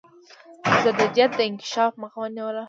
ضدیت د انکشاف مخه ونیوله.